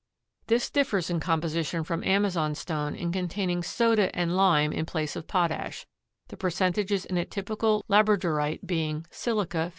This differs in composition from amazonstone in containing soda and lime in place of potash, the percentages in a typical labradorite being, silica 53.